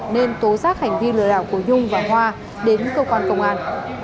nên tố giác hành vi lừa đảo của nhung và hoa đến cơ quan công an